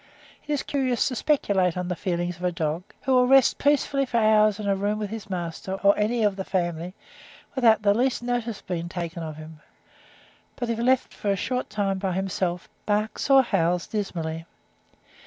It is curious to speculate on the feelings of a dog, who will rest peacefully for hours in a room with his master or any of the family, without the least notice being taken of him; but if left for a short time by himself, barks or howls dismally.